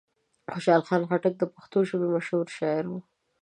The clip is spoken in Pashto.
خوشحال خان خټک د پښتو ژبې مشهور شاعر و.